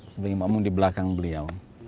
sebagai makmum di belakang beliau